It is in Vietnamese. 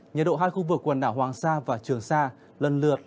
nhiệt độ hai khu vực quần đảo hoàng sa và trường sa lần lượt